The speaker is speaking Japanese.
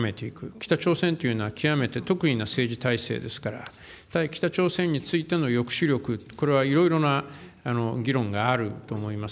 北朝鮮というのは極めて特異な政治体制ですから、対北朝鮮についての抑止力、これはいろいろな議論があると思います。